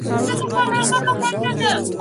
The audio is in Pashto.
میرویس نیکه په کوم کال پاڅون وکړ؟